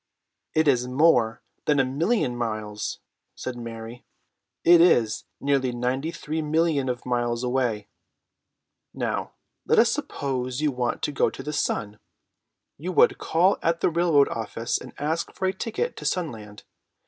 "It is more than a million miles," said Mary. "It is nearly ninety three millions of miles away. Now let us suppose you want to go to the sun. You would call at the railroad office and ask for a ticket to Sunland.